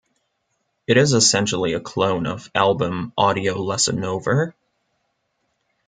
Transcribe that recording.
It is essentially a clone of album Audio Lessonover?